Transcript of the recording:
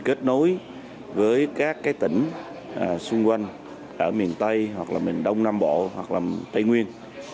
kết nối với các tỉnh xung quanh ở miền tây hoặc là miền đông nam bộ hoặc là tây nguyên